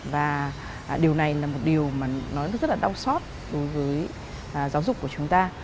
và điều này là một điều mà nó rất là đau xót đối với giáo dục của chúng ta